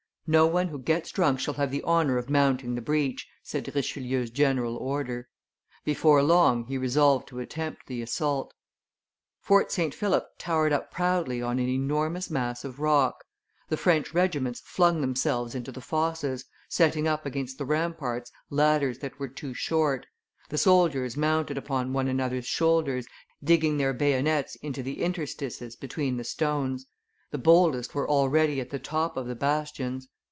"No one who gets drunk shall have the honor of mounting the breach," said Richelieu's general order. Before long he resolved to attempt the assault. [Illustration: Attack on Fort St. Philip 218] Fort St. Philip towered up proudly on an enormous mass of rock; the French regiments flung themselves into the fosses, setting against the ramparts ladders that were too short; the soldiers mounted upon one another's shoulders, digging their bayonets into the interstices between the stones; the boldest were already at the top of the bastions.